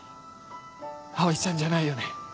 葵ちゃんじゃないよね？